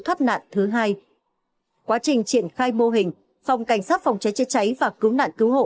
thoát nạn thứ hai quá trình triển khai mô hình phòng cảnh sát phòng cháy chữa cháy và cứu nạn cứu hộ